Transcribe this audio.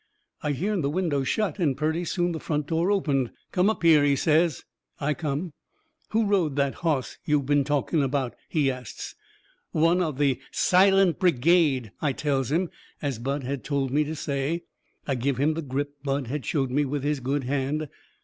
I hearn the window shut and purty soon the front door opened. "Come up here," he says. I come. "Who rode that hoss yo' been talking about?" he asts. "One of the SILENT BRIGADE," I tells him, as Bud had told me to say. I give him the grip Bud had showed me with his good hand.